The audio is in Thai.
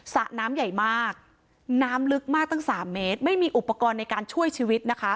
สระน้ำใหญ่มากน้ำลึกมากตั้ง๓เมตรไม่มีอุปกรณ์ในการช่วยชีวิตนะคะ